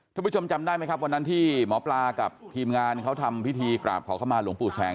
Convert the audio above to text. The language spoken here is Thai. ผู้ชมจำได้ไหมครับวันนั้นที่หมอปลากับทีมงานเขาทำพิธีกราบขอเข้ามาหลวงปู่แสง